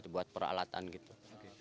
buat peralatan gitu